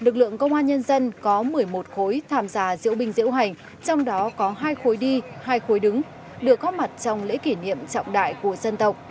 lực lượng công an nhân dân có một mươi một khối tham gia diễu binh diễu hành trong đó có hai khối đi hai khối đứng được góp mặt trong lễ kỷ niệm trọng đại của dân tộc